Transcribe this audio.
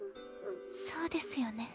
そうですよね。